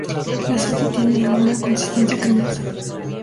La salsa tiene una consistencia cremosa.